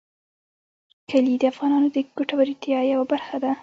کلي د افغانانو د ګټورتیا یوه برخه ده.